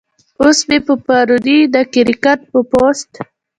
اوس مې پۀ پروني د کرکټ پۀ پوسټ